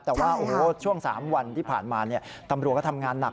แต่ว่าโอ้โหช่วง๓วันที่ผ่านมาตำรวจก็ทำงานหนัก